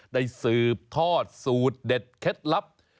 สืบทอดสูตรเด็ดเคล็ดลับ